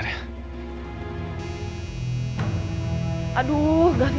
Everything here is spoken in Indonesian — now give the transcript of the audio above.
aduh gak bisa telepon lagi